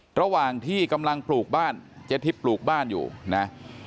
ระหว่างที่กำลังปลูกบ้านเจ๊ทิพย์ปลูกบ้านอยู่นะ